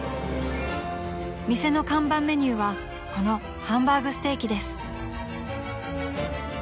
［店の看板メニューはこのハンバーグステーキです］